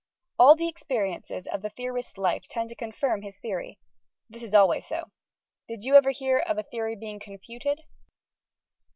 All the experiences of the theorist's life tend to confirm his Theory. This is always so. Did you ever hear of a Theory being confuted?